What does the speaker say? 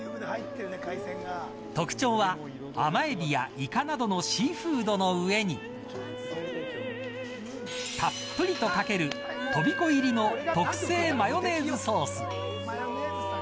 特徴は甘エビやイカなどのシーフードの上にたっぷりとかけるトビコ入りの特製マヨネーズソース。